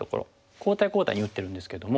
交代交代に打ってるんですけども。